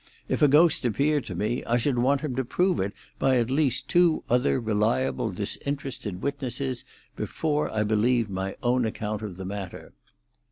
If a ghost appeared to me I should want him to prove it by at least two other reliable, disinterested witnesses before I believed my own account of the matter."